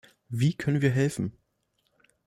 Wie können wir helfen?